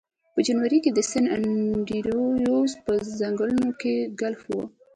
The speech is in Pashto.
په جنوري کې د سن انډریوز په ځنګلونو کې ګلف و